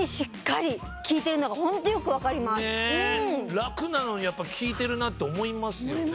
楽なのにやっぱ効いてるなって思いますよね。